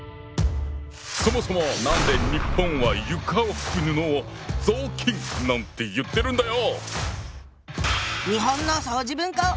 そもそも何で日本は床を拭く布を「雑巾」なんて言ってるんだよ！